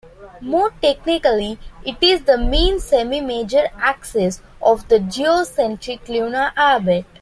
More technically, it is the mean semi-major axis of the geocentric lunar orbit.